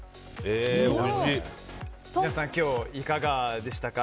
皆さん今日、いかがでしたか？